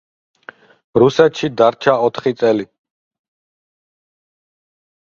რუსეთში დარჩა ოთხი წელი.